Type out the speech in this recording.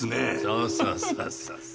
そうそうそうそう。